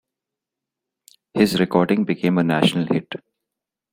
His recording became a national hit.